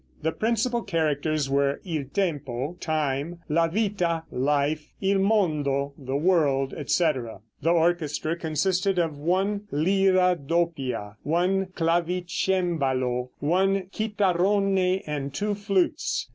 The principal characters were "Il Tempo" (time), "La Vita" (life), "Il Mondo" (the world), etc. The orchestra consisted of one lira doppia, one clavicembalo, one chitarrone and two flutes.